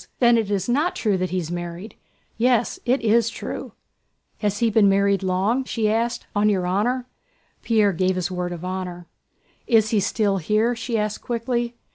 "Then it is not true that he's married!" "Yes, it is true." "Has he been married long?" she asked. "On your honor?..." Pierre gave his word of honor. "Is he still here?" she asked, quickly.